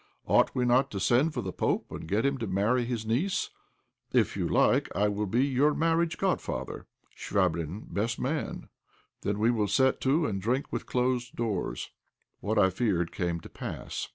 Ought we not to send for the pope and get him to marry his niece? If you like I will be your marriage godfather, Chvabrine best man; then we will set to and drink with closed doors." What I feared came to pass.